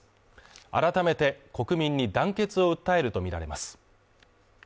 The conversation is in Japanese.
改めて国民に団結を訴えるとみられます。